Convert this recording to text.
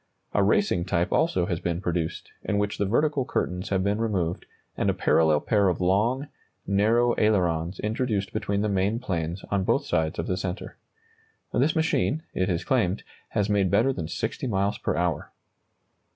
A racing type also has been produced, in which the vertical curtains have been removed and a parallel pair of long, narrow ailerons introduced between the main planes on both sides of the centre. This machine, it is claimed, has made better than 60 miles per hour.